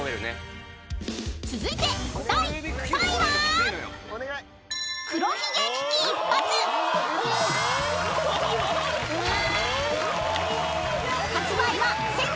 ［続いて第３位は］えっ！？